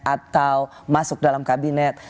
atau masuk dalam kabinet